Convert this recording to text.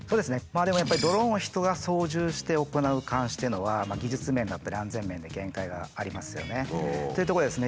でもドローンを人が操縦して行う監視というのは技術面だったり安全面で限界がありますよね。というとこでですね